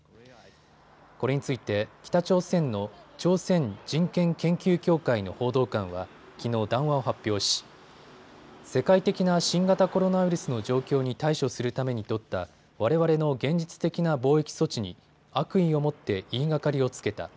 これについて北朝鮮の朝鮮人権研究協会の報道官はきのう談話を発表し世界的な新型コロナウイルスの状況に対処するために取ったわれわれの現実的な防疫措置に悪意をもって言いがかりをつけた。